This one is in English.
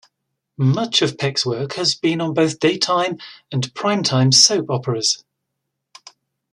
Much of Peck's work has been on both daytime and prime time soap operas.